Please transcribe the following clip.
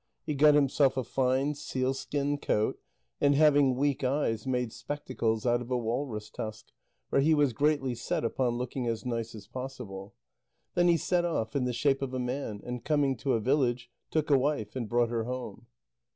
He got himself a fine sealskin coat, and having weak eyes, made spectacles out of a walrus tusk, for he was greatly set upon looking as nice as possible. Then he set off, in the shape of a man, and coming to a village, took a wife, and brought her home.